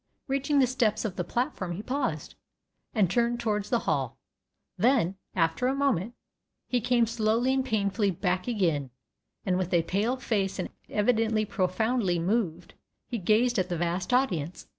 Reaching the steps of the platform he paused, and turned towards the hall; then, after a moment, he came slowly and painfully back again, and with a pale face and evidently profoundly moved, he gazed at the vast audience.